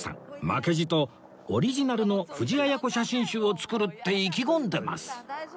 負けじとオリジナルの藤あや子写真集を作るって意気込んでます